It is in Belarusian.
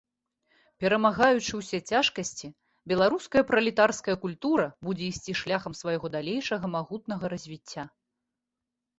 Перамагаючы ўсе цяжкасці, беларуская пралетарская культура будзе ісці шляхам свайго далейшага магутнага развіцця.